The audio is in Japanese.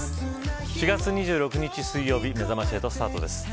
４月２６日水曜日めざまし８スタートです。